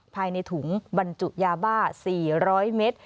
ภายในถุงบรรจุยาบ้า๔๐๐เมตร